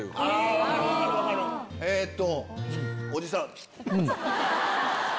えっと。